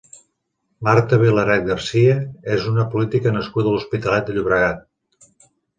Marta Vilaret García és una política nascuda a l'Hospitalet de Llobregat.